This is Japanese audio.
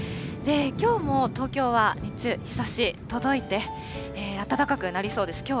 きょうも東京は日中、日ざし届いて、暖かくなりそうです。